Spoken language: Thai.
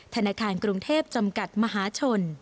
ธนาคารกรุงเทพจำกัดมหาชน